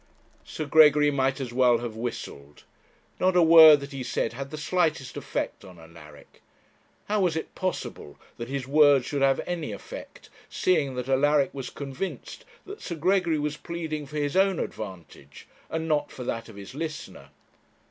Sir Gregory might as well have whistled. Not a word that he said had the slightest effect on Alaric. How was it possible that his words should have any effect, seeing that Alaric was convinced that Sir Gregory was pleading for his own advantage, and not for that of his listener?